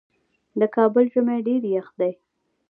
د کابل ژمی ډیر یخ دی